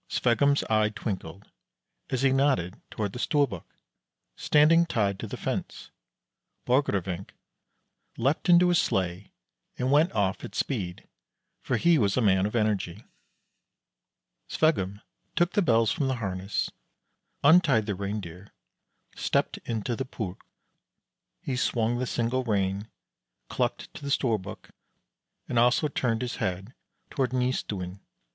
Sveggum's eye twinkled as he nodded toward the Storbuk, standing tied to the fence. Borgrevinck leaped into his sleigh and went off at speed, for he was a man of energy. Sveggum took the bells from the harness, untied the Reindeer, stepped into the pulk. He swung the single rein, clucked to the Storbuk, and also turned his head toward Nystuen.